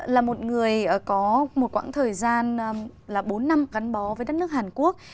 là một người có một quãng thời gian là bốn năm gắn bó với đất nước hàn quốc